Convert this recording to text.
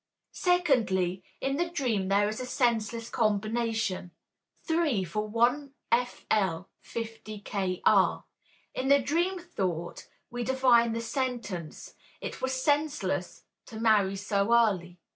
Secondly: In the dream there is a senseless combination, 3 for 1 Fl. 50 Kr.; in the dream thought we divine the sentence, "It was senseless (to marry so early)."